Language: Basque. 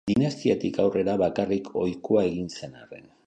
Dinastiatik aurrera bakarrik ohikoa egin zen arren.